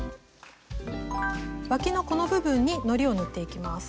わきのこの部分にのりを塗っていきます。